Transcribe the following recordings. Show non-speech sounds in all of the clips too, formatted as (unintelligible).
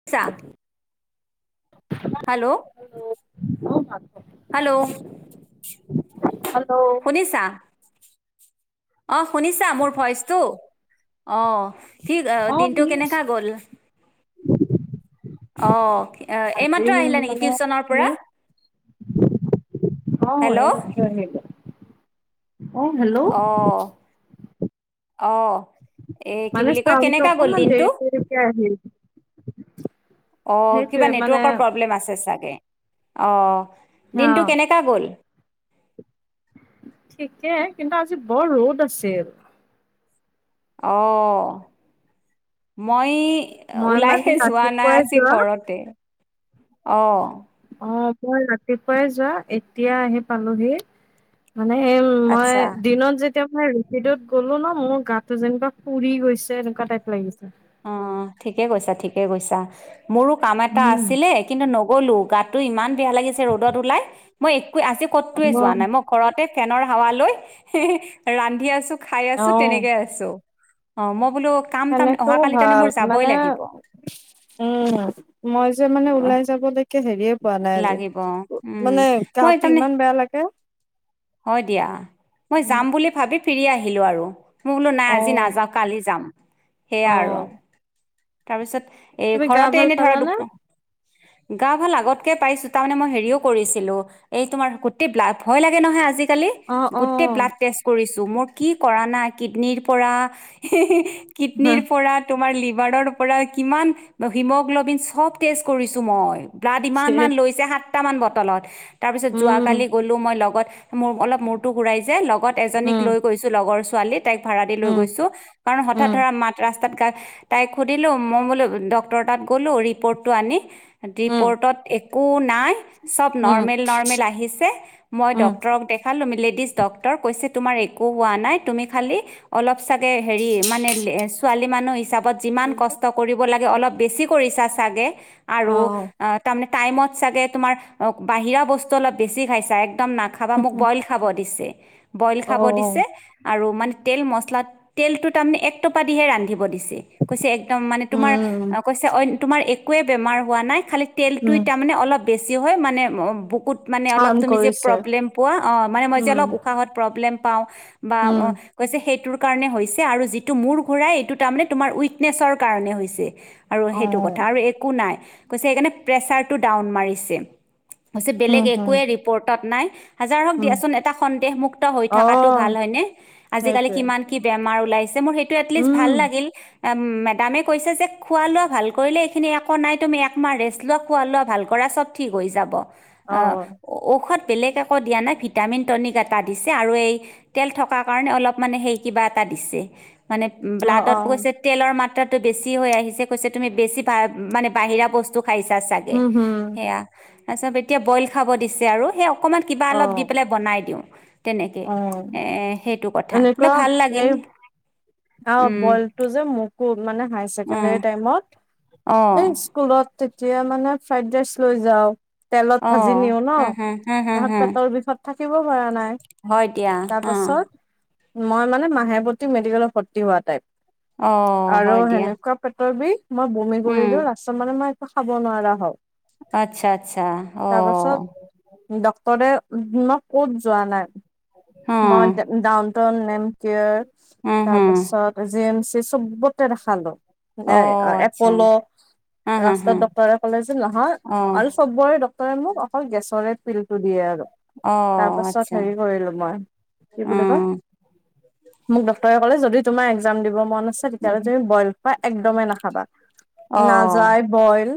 (unintelligible) Hello, hello. Hello. শুনিছা? অ' শুনিছা মোৰ ভইচটো অ'। আজি অ, দিনটো শুনি কেনেকা আছো গ'ল? অ, আজি এইমাত্ৰ আহিলা নেকি মানে টিউশচনৰ পৰা? মোৰ অ, হেল্ল' এইমাত্ৰ আহিলো। অ, হেল্ল'। অ, অ,। এ! কি মানে বুলি কয় চাউণ্ডটো কেনেকা গ'ল অকমান দিনটো? দেৰি দেৰিকে আহিল অ, কিবা সেইটোয়ে মানে নেটৱৰ্কৰ প্ৰব্লেম আছে চাগে অ, হা দিনটো কেনেকা গ'ল? ঠিকে। কিন্তু আজি বৰ ৰ'দ আছিল। অ, মই মই মানে ওলাইহে যোৱা নাই ৰাতিপুৱাই আজি যোৱা ঘৰতে। অ'। অ মই ৰাতিপুৱাই যোৱা এতিয়া আহি পালোহি। মানে সেই মই আচ্ছা দিনত যে যেতিয়া মানে ৰেপিড'ত গলো ন মোৰ গাটো যেনকুৱা পুৰি গৈছে এনেকুৱা টাইপ লাগিছে। অ ঠিকে কৈছা ঠিকে কৈছা মোৰো কাম এটা উম আছিলে। কিন্তু নগলো গাতটো ইমান বেয়া লাগিছে ৰ'দত ওলাই মই এক আজি অ ক'তোৱে যোৱা নাই মই ঘৰতে ফেনৰ হাৱা লৈ এ ৰান্ধি আছো খাই অ আছো তেনেকে আছো। চো অ মই বোলো কাম তাম টো অহাকালি তেনে ভাল মোৰ যাবই মানে লাগিব উম মই যে মানে অ ওলাই যাবলৈকে হেৰিয়ে পোৱা নাই আজি লাগিব উম মানে মই গাটো তাৰমানে ইমান বেয়া লাগে। হয় দিয়া, মই উম, যাম বুলি ভাবি ফিৰি আহিলো আৰু মই বোলো নাই আজি অ', নাযাও কালি যাম সেয়া আৰু। অ', তাৰপিছত এ তুমি গা ঘৰতে ভাল এনে ধৰা পালানে? দুপ গা ভাল আগতকৈ পাইছোঁ তাৰমানে মই হেৰিও কৰিছিলোঁ। এই তোমাৰ গোটেই ব্লাদ ভয় লাগে নহয় আজিকালি অ', গোটেই অ', ব্লাড টেষ্ট কৰিছো মই কি কৰা নাই কিডনীৰ পৰা কিডনীৰ পৰা তোমাৰ লিভাৰৰ পৰা কিমান হিমগ্লবিন চ'ব টেষ্ট কৰিছো মই। ব্লাড ইমান মান লৈ জায় সাতটা মান বটলত, তাৰ পিছত যোৱ উম, কালি গ'লো মই লগত মোৰ অলপ মূৰটো ঘূৰাই যে লগত এজনীক উম, লৈ গৈছো লগৰ ছোৱালীক তাইক ভাড়া দি লৈ উম, গৈছো কাৰণ হঠাৎ উম, ধৰা মাত ৰাস্তাত গা তাইক সুধিলোঁ মই বোলো ডক্টৰ তাত গ'লোঁ ৰিপৰ্টটো আনি উম। ৰিপ'ৰ্টত একো নাই চ'ব উম, নৰ্মেল নৰ্মেল আহিছে। মই উম, ডক্টৰক দেখালোঁ লেডিজ ডক্টৰ কৈছে তোমাৰ একো হোৱা নাই তুমি খালী অলপ চাগে হেৰি মানে ছোৱালী মানুহ হিচাপত যি কষ্ট কৰিব লাগে অলপ বেছি কৰিছা চাগে আৰু অ', আ তাৰে টাইমত চাগে তোমাৰ অ বাহিৰা বস্তু অলপ বেছি খাইছা একদম নাখাবা মোক বইল বইল খাব দিছে বইল খাব অ', দিছে, আৰু মানে তেল মচলাত তেলটো তাৰমানে এক পা দিহে ৰান্ধিব দিছে, কৈছে একম মানে তোমাৰ উম, কৈছে তোমাৰ একোৱে বেমাৰ হোৱা নাই খালি তেলটো উম। মানে অলপ বেছি হয় মানে বুকুত মানে অলপ হাৰ্ম তুমি যে কৰিছে, প্ৰব্লেম পোৱা অ মানে মই যে উম, অলপ কাষত প্ৰব্লেম পাওঁ বা উম, অঁ কৈছে সেইটোৰ কাৰণে হৈছে আৰু যিটো মূৰ ঘূৰাই এইটো তাৰমানে তোমাৰ উইকনেছৰ কাৰণে হৈছে। আৰু সেইটো অ', কথা আৰু একো নাই কৈছে সেইকাৰণে প্ৰেচাৰটো ডাউন মাৰিছে। উম, বেলেগ হুম, একোৱে ৰিপৰ্টত নাই। হাজাৰক উম। দিয়াচোন এটা সন্দেহ মুুক্ত হৈ থকাতটো ভাল অ', হয় নে। আজিকালি সেইটোৱে, কিমান কি বেমাৰ উলাইছে মোৰ সেইটো এটলিষ্ট উম, ভাল লাগিল, আম মেড তামে কৈছে যে খোৱা লোৱা ভাল কৰিলে এইখিনি একো নাই তুমি একমাহ ৰেষ্ট লোৱা খোৱা লোৱা ভাল কৰা চব ঠিক হৈ যাব, অ', আহ ঔষধ বেলেগ একো দিয়া নাই ভিটামিন টনিক এটা দিছে আৰু এই তেল থকাৰ কাৰণে অলপ মানে সেই কিবা এটা দিছে মানে অ', ব্লাডত অ', গৈছে তেলৰ মাত্ৰ তাটো বেছি হৈ আহিছে কৈছে তুমি বেছি মানে বাহিৰা বস্তু খাইছা চাগে হুম, হুম, সেয়া। তাৰপিছত এতিয়া বইল খাব দিছে আৰু সেই অকনমান কিবা অলপ অ'। দি পাই বনাই দিওঁ। তেনেকে অ এ সেইটো কথা বোলে এনেকুৱা ভাল লাগিল। এই অ উম বলটো মোকো মানে হাইছেকেনকণ্ডাৰী উম টাইমত অ স্কুলত তেতিয়া মানে ফ্ৰাইড ৰাইচ লৈ যাওঁ। তেলত অ ভাজি নিও ন, হু হু হু হু তাপিছত হু পেটৰ বিষত। থাকিব পৰা নাই, হয় দিয়া অ তাৰপিছত, মই মানে মাহে পতি মেডিকেল ভৰ্তি হোৱা টাইপ, অ আৰু হয় দিয়া সেনেকুৱা পেটৰ বিষ মই বমি উম কৰিলো, লাষ্টত মানে মই একো খাব নোৱাৰা হওঁ। আচ্ছা, আচ্ছা অ'। ডক্টৰে মই ক'ত যোৱা নাই, অ মই কটন নেমকেয়াৰ। হু হু তাৰপিছত জি এম চি চবতে দেখালো, অ মানে আচ্ছা এপ'ল। হা হা হা ৰাস্তাত ডক্টৰে ক'লে যে নহয় অ আৰু চবৰে তই মোক অকল গেছৰে তিলটো দিয়ে আৰু। অ তাৰ পাছত আচ্ছা হেৰি কৰিলো মই, কি অ বুলি কয়। মোক ডক্টৰে ক'লে যদি তোমাৰ একজাম দিব মন আছে, উম তেতিয়াহ'লে তুমি বইল একদমেই নাখাবা, অ নাযায় বইল।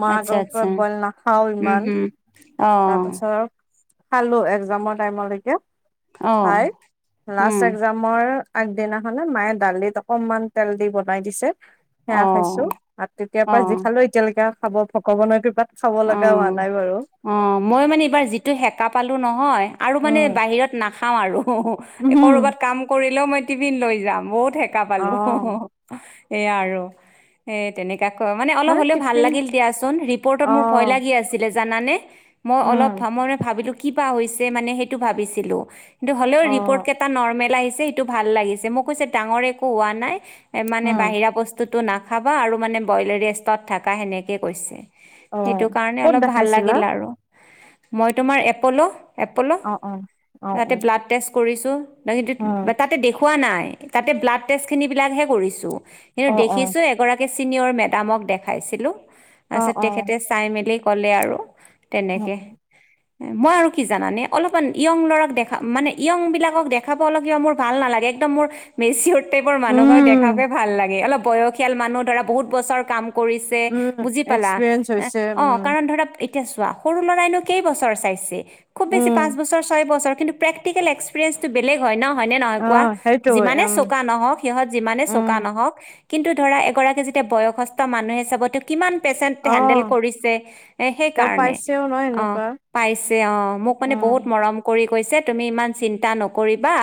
মই আচ্ছা আগৰ আচ্ছা ওপৰত বইল নাখাও উম ইমান, হুম অ তাৰপাছত খালো একজামৰ টাইমলৈকে, অ খাই উম লাষ্ট একজামৰ আগদিনাখনে মায়ে দালিত অকনমান তেল দি বনাই দিছে। সেয়া খাইছো, অ আৰু তেতিয়াৰ পৰা অ যি খালো এতিয়ালৈকে খাব ভগৱানৰ কৃপাত। খাব লগা হোৱা অ', নাই বাৰু। অ' মই মানে এইবাৰ যিটো সেকা পালো নহয় আৰু মানে উম বাহিৰত নাখাওঁ আৰু। উম কৰবাত কাম কৰিলেও মই টিফিন লৈ যাম, বহুত সেকা পালো। অ এয়া আৰু, এ তেনেকা ক মানে অলপ হ'লেও ভাল লাগিল দিয়াচোন অ ৰিপৰ্টত মোৰ কি আছিলে জানানে, মই অলপ উম মই মানে ভাবিলো কি বা হৈছে মানে সেইটো ভাবিছিলো। কিন্তু হ'লেও অ ৰিপৰ্ট কেইটা নৰ্মেল আহিছে, সেইটো ভাল লাগিছে মোক কৈছে ডাঙৰ একো হোৱা নাই। মানে উম বাহিৰা বস্তুটো নাখাবা আৰু মানে ব্ৰইলেৰ ৰেষ্টত থাকা সেনেকে কৈছে। অ সেইটো কাৰণে ক'ত অলপ ভাল দেখাইছিলা লাগিল আৰু। মই তোমাৰ এপ'ল। এপ'ল অ অ অ তাতে অ ব্লাড টেষ্ট কৰিছোঁ, উম তাতে দেখুৱা নাই, তাতে ব্লাডটেষ্ট খিনি বিলাকহে কৰিছোঁ। সেইটো অ অ দেখিছোঁ, এগৰাকী ছিনিয়ৰ মেডামক দেখাইছিলোঁ, অ পাছত অ তেখেত চাই মেলি ক'লে আৰু তেনেকে। (inaudible) মই আৰু কি জানানে, অলপমান য়ং ল'ৰাক দেখা-মানে, য়ং বিলাকক দেখাব অলপ কিবা মোৰ ভাল নালাগে, একদম মোৰ মেচিঅৰ্ড টাইপৰ মানুহক দেখাওঁকে উম ভাল লাগে, অলপ বয়সীয়াল মানুহ ধৰা বহুত বছৰ কাম কৰিছে উম বুজি পালা। এক্সপিৰিয়েঞ্চ হৈছে অ উম কাৰণ ধৰা এতিয়া চোৱা, সৰু ল'ৰাইনো কেইবছৰ চাইছে, খুব বেছি উম পাঁচ বছৰ, ছয় বছৰ। কিন্তু প্ৰেক্টিকেল এক্স প্ৰিয়েন্সটো বেলেগে হয় ন, হয় নে নহয় অ কোৱা? সেইটোৱে যিমানে উম চোকা নহওঁক সিহঁত যিমানে উম চোকা নহওঁক। কিন্তু ধৰা এগৰাকী যেতিয়া বয়সস্থ মানুহে চাব, তেওঁ কিমান পেচেণ্ট হেণ্ডেল অ পিছে এ, সেই তেওঁ কাৰণে পাইছেও ন অ, এনেকুৱা পাইছে অ, মোক মানে উম বহুত ম মৰম কৰি কৈছে তুমি ইমান চিন্তা নকৰিবা,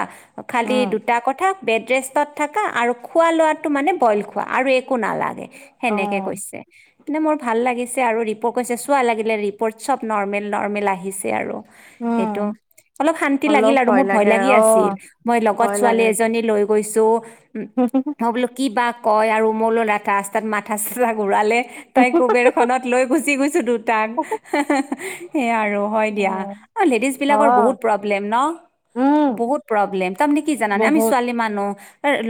খালি উম, দুটা কথা বেড ৰেষ্টত থাকা, আৰু খোৱা লোৱাটো মানে বইল খোৱা, আৰু একো নালাগে। অ সেনেকে কৈছে, মানে মোৰ ভাল লাগি আৰু ৰিপ কৈছে, চোৱা লাগিলে ৰিপৰ্ট চব নৰ্মেল নৰ্মেল আহিছে আৰু, উম সেইটো অলপ শান্তি লাগিল অলপ আৰু মোৰ ভয় লাগে লাগি অ আছিল, মই লগত ভয় ছোৱালী লাগে এজনী লৈ গৈছোঁ। উম। (unintelligible) মই বোলো কিবা কয় আৰু মোলো ৰাষ্টাত মাথা-চাথা ঘূৰালে, তাই কুবেৰ খনত লৈ গুচি গৈছোঁ দুটাক সেইয়া আৰু হয় দিয়া অ, লেডিজ বিলাকৰ বহুত প্ৰব্লেম ন? উম বহুত প্ৰব্লেম তাৰমানে কি জানে আমি বহুত ছোৱালী মানুহ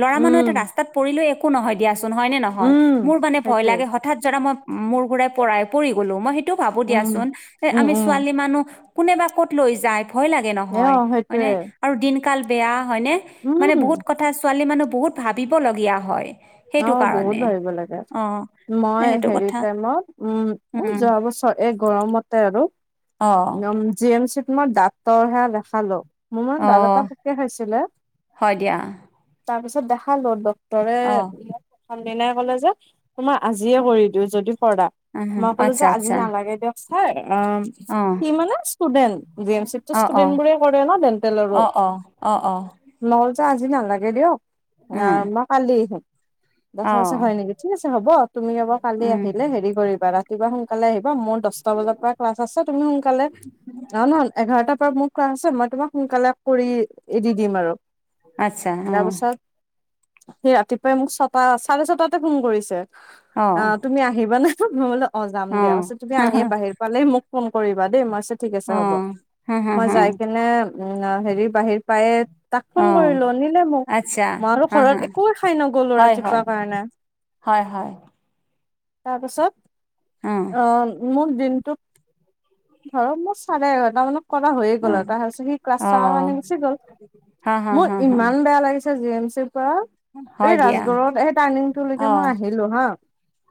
ল'ৰা মানুহ উম এটা ৰাস্তা তাত পৰিলেও একো নহয় দিয়াচোন হয় নে নহয় উম মোৰ মানে ভয় সেইটোৱে লাগে হঠাৎ ধৰা মই মোৰ ঘুৰাই পৰাই পৰি গ'লো মই সেইটোও ভাবোঁ উম দিয়াচোন উম আমি উম ছোৱালী মানুহ। কোনে বা ক'ত লৈ যায় ভয় লাগে এ অ নহয় সেইটোৱে হয়নে? আৰু দিনকাল বেয়া হয়নে মানে উম বহুত কথা ছোৱালী মানুহ বহুত ভাবিবলগীয়া হয়। সেইটো অ', বহুত কাৰণে ভাবিব লাগে অ এ মই সেইটো হেৰি কথা টাইমত উম, উম যোৱা বছৰ এই গৰমতে আৰু অ উম, জি এম চি ত মই দাতৰ সেয়া দেখালো। মোৰ মানে অ দাত এটা পোকে খাইছিলে। হয় দিয়া তাৰ পিছত দেখালো ডক্টৰে অ প্ৰথম দিনাই ক'লে যে তোমাৰ আজিয়ে কৰি দিওঁ যদি কৰা। উম, মই ক'লো যে আচ্ছা আজি আচ্ছা নালাগে দিয়ক চাৰ অ'। অ সি মানে ষ্টুডেন্ট জি এম চি তটো অ অ ষ্টুডেন্ট বোৰে কৰে ন ডেন্টেলৰো অ অ অ অ মই ক'লো আজি নালাগে দিয়ক অ, উম মই কালি আহিম। তাৰ অ পিছত ক'লে হয় নেকি ঠিক আছে হ'ব তুমি এবাৰ কালি উম আহিলে হেৰি কৰিবা ৰা ৰাতিপুৱা সোনকালে আহিবা মোৰ দহটা বজাৰ পৰা ক্লাছ তুমি সোনকালে অহ নহয় এঘাৰটাৰ পৰা মোৰ ক্লাচ আছে মই তোমাক সোনকালে কৰি এৰি দিম আৰু আচ্ছা অ তাৰপিছত সি ৰাতি মোক ছটা চাৰে ছটাতে ফোন কৰিছে অ, তুমি আহিবানে? মই বুলো অ। অ', যাম দিয়া কৈছে তুমি হা হা আহিয়ে বাহিৰ পালে মোক ফোন কৰিবা দেই মই ঠিক আছে অ হ'ব হা হা মই হা যাই কিনে উম, হেৰি, বাহিৰ পায়ে তাক ফোন অ কৰিলোঁ নিলে মোক আচ্ছা মই আৰু হা ঘৰত হা একোৱেই খো নোখোৱাকৈ গ'লো হয় হয় ৰাতিপুৱাৰ কাৰণে। হয় হয় অ তাৰপিছত মোক দিনটোত ধৰক মোৰ চাৰে এঘাৰটা মানত কৰা হৈয়ে অ গ'ল আৰু তাৰ পিছত সি ক্লাছ অ থকা কাৰণে গুছি গ'ল হা হা মোৰ হা হা ইমান বেয়া লাগিছে তাৰ পিছত জি এম চি ৰ পৰা হয় এই দিয়া ৰাজগড়ত এই অ টাৰ্ণিংটোলৈকে মই আহিলোঁ হা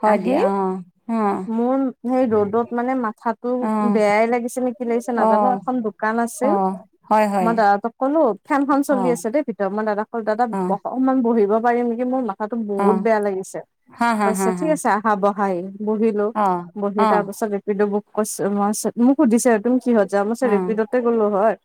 হয় আহি দিয়া অ মোৰ সেই ৰ'দত মানে মাথাটো অ বেয়াই লাগিছে নে কি লাগিছে অ নাজানো এখন দোকান অ অ আছিল হয় হয় মই দাদা তোক ক'লো ফেনখন অ চলি আছে দেই ভিতৰত মই দাদাক ক'লো দাদা অ বহ অকনমান বহিব পাৰিম নেকি মোৰ মাথাতো অ বহুত বেয়া লাগিছে হা হা হা কৈছে হা ঠিক আছে আহ। আহ বহাই বহিলো অ বহি অ তাৰ পিছত ৰেপিডো বুক কৰিছোঁ মই মোক সুধিছে তুমি কিহত যাহ মই কৈছো অ ৰেপিডতে গ'লো হয়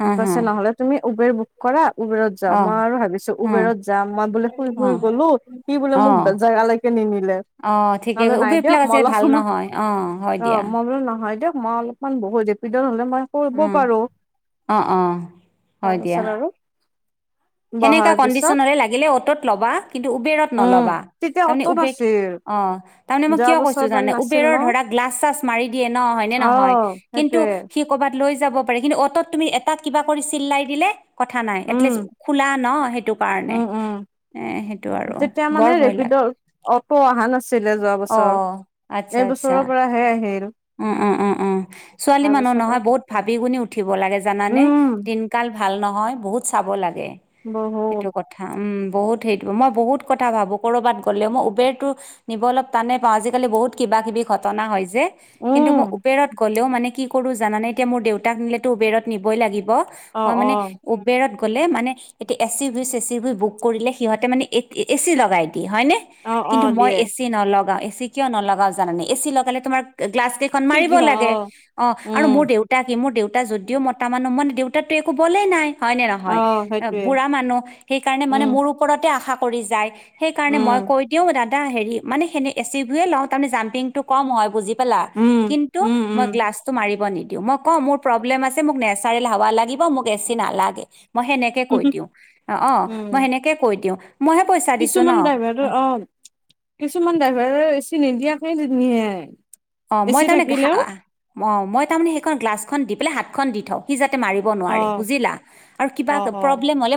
হা হা কৈছে নহলে তুমি উবেৰ বুক কৰা উবেৰত যাওঁ অ মই আৰু ভাবিছো উবেৰত যাম মই বোলে শুই অ অ শুই গলোঁ। সি বোলে মোক অ বেলেগ জাগালৈকে নি নিলে অ ঠিকে নহলে নাই দিয়ক উবেৰবিলাক মই আছে অলপ ভাল সময় নহয় অ হয় অহ দিয়া মই বোলে নহ হয় দিয়ক মই অলপমান বহু ৰেপিডো নহ'লে মই কৰিব উম পাৰো অ অ তাৰপিছত আৰু সেনেকুৱা বহাৰ পিছত কণ্ডিচনৰে লাগিলে অটত ল'বা কিন্তু উবেৰত উম নল'বা তেতিয়া তাৰমানে অটো উবেৰ নাছিল আহ তাৰমানে মই যোৱা কিয় কৈছো বছৰ মানে জানে নাছিল উবেৰৰ ন ধৰা গ্লাছ চ্ছাছ মাৰি দিয়ে ন হয় নে অ নহয়? কিন্তু সেইটোয়ে সি কৰ'বাত লৈ যাব পাৰে কিন্তু অ'টত তুমি এটা কিবা কৰি চিল্লাই দিলে কথা নাই এটলিষ্ট উম খোলা ন সেইটো কাৰণে। উম উম এ সেইটো আৰু তেতিয়া বৰ মানে ভয় লাগে ৰেপিডৰ অটো অহা নাছিলে যোৱা অ বছৰ। আচ্ছা এই আচ্ছা বছৰৰ পৰাহে আহিল। উম, উম, উম, উম। ছোৱালী মানুহ তাৰপিছত নহয় আৰু বহুত ভাবি গুনি উঠিব লাগে জানানে। উম দিনকাল ভাল নহয় বহুত চাব বহুত এইটো কথা। বহুত সেইটো মই বহুত কথা ভাবোঁ ক'ৰবাত গ'লে মই উবেৰটো নিব অলপ টানে পাওঁ আজিকালি বহুত কিবা কিবি ঘটনা হয় যে, কিন্তু উম মই উবেৰত গ'লে মানে কি কৰো জানানে এতিয়া মোৰ দেউতাক নিলেতো উবেৰত নিবই লাগিব। অ মই অ মানে উবেৰত গ'লে মানে এতিয়া এচি ভি চেচি ভি বুক কৰিলে সিহঁতে মানে এছি লগাই দিয়ে হয় নে, অ অ কিন্তু মই দিয়ে এ ছি এ চি নলগাওঁ, এ চি কিয় নলগাওঁ জানানে? এ চি লগালে তোমাৰ গ্লাছ কেইখন ঠিক মাৰিব কিবা অ লাগে, অহ আৰু উম মোৰ দেউতা দেউতা কি মোৰ দেউতা যদিও মতা মানুহ মানে দেউতাৰতো একো বলেই নাই হয় নে অ নহয়। অ, সেইটোৱে বুঢ়া মানুহ, সেইকাৰণে মানে উম মোৰ ওপৰতে আশা কৰি যায়। সেইকাৰণে মই উম কৈ দিও দাদা এ হেৰি মানে সেনে এক্স ইউ ভিৱে লওঁ, তাৰমানে জাম্পিংটো ক'ম হয় বুজি পালা। উম কিন্তু মই উম গ্লাছটো মাৰিব নিদিও। মই কওঁ মোৰ প্ৰব্লেম আছে মোক নেচাৰেল হাৱা লাগিব মোক এ ছি নালাগে। মই সেনেকে উম কৈ দিওঁ, অহ অহ মই উম, সেনেকে কৈ দিওঁ। মইহে পইচা দিছো ন কিছুমান ড্ৰাইভাৰৰ অহ কিছুমান ড্ৰাইভাৰৰ এ চি নিদিয়াকে নিয়ে। অহ মই এচি তাৰ থাকিলেও মানে অহ মই তাৰমানে সেইখন গ্লাছখন দি পেলাই হাতখন দি থওঁ যাতে মাৰিব মাৰিব নোৱাৰে অ', বুজিলা, আৰু কিবা অ', এটা অ'। প্ৰব্লেম হ'লে